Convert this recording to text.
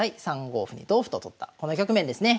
３五歩に同歩と取ったこの局面ですね。